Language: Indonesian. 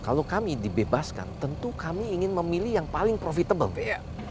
kalau kami dibebaskan tentu kami ingin memilih yang paling profitable ya